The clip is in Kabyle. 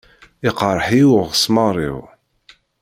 Iqṛeḥ-iyi uɣesmaṛ-iw.